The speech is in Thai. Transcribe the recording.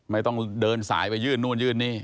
ไม่ต้องเดินสายไปยื่นนู่นยื่นนี่